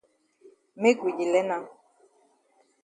Make we di learn am.